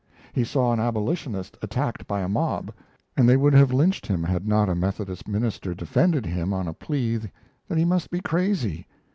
He saw an abolitionist attacked by a mob, and they would have lynched him had not a Methodist minister defended him on a plea that he must be crazy.